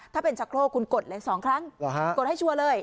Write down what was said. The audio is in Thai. ถ้าเป็นชะโครกคุณกดเลย๒ครั้งกดให้ชัวร์เลย